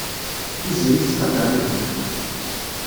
Tiziri tettqadar-ikent.